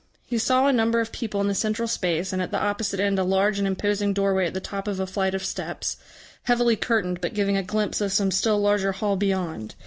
He saw a number of people in the central space, and at the opposite end a large and imposing doorway at the top of a flight of steps, heavily curtained but giving a glimpse of some still larger hall beyond.